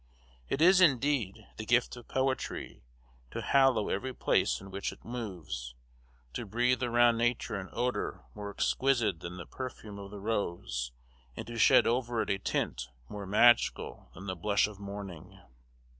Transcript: It is, indeed, the gift of poetry, to hallow every place in which it moves; to breathe around nature an odor more exquisite than the perfume of the rose, and to shed over it a tint more magical than the blush of morning.